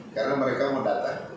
karena mereka mau datang